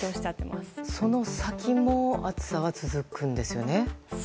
その先も暑さは続くんですよね。